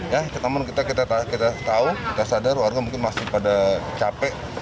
ya kita tahu kita sadar warga mungkin masih pada capek